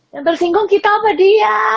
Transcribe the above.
yang tersinggung kita apa dia